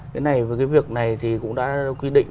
cái này và cái việc này thì cũng đã quy định